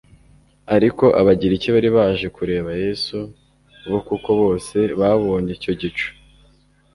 Ariko abagiriki bari baje kureba Yesu bo kuko bose babonye icyo gicu,